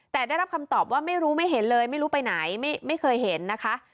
แต่ได้รับคำตอบว่าไม่รู้ไม่เห็นเลยไม่รู้ไปไหนไม่เคยเห็นนะคะ